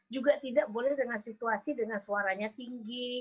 juga tidak boleh dengan situasi dengan suaranya tinggi